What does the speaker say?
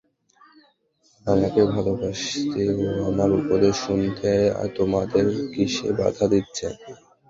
আমাকে ভালবাসতে ও আমার উপদেশ শুনতে তোমাদের কিসে বাঁধা দিচ্ছে?